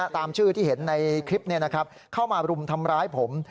ตามชื่อที่เห็นในคลิปเข้ามารุมทำร้ายผม